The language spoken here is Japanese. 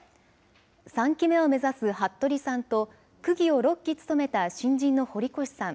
３期目を目指す服部さんと区議を６期務めた新人の堀越さん。